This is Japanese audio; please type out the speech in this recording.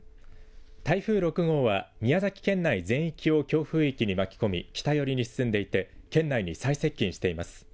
台風６号は宮崎県内全域を強風域に巻き込み北寄りに進んでいて県内に最接近しています。